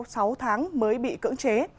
sau sáu tháng mới bị cưỡng chế